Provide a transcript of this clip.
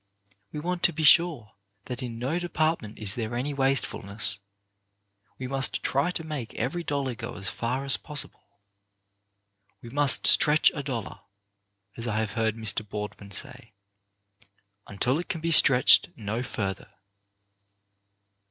We want to be sure, also, that in no depart ment is there any wastefulness. We must try THE VIRTUE OF SIMPLICITY 37 to make every dollar go as far as possible. " We must stretch a dollar, " as I have heard Mr. Bald win say, "until it can be stretched no further."